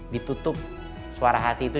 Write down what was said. ditutup suara hati itu